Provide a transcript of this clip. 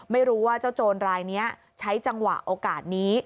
ไม่รู้ว่าเจ้าโจรรายนี้ใช้จังหวะโอกาสนี้